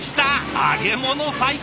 揚げ物最高！